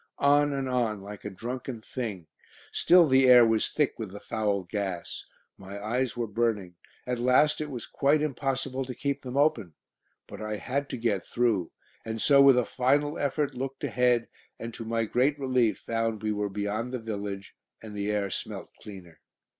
On and on, like a drunken thing. Still the air was thick with the foul gas. My eyes were burning; at last it was quite impossible to keep them open. But I had to get through, and so with a final effort looked ahead, and to my great relief found we were beyond the village, and the air smelt cleaner.